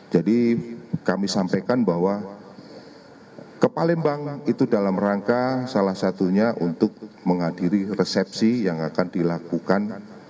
jadi kami sampaikan bahwa ke palembang itu dalam rangka salah satunya untuk menghadiri resepsi yang akan dilakukan